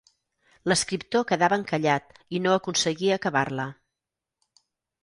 L'escriptor quedava encallat i no aconseguia acabar-la.